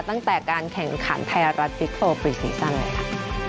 ตั้งแต่การแข่งขันไทยรัฐฟิกโซปรีซีซั่นเลยค่ะ